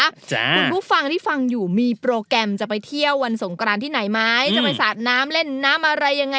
คุณผู้ฟังที่ฟังอยู่มีโปรแกรมจะไปเที่ยววันสงกรานที่ไหนไหมจะไปสาดน้ำเล่นน้ำอะไรยังไง